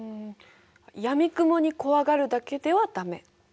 うんやみくもに怖がるだけでは駄目。